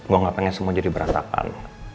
gue gak pengen semua jadi berantakan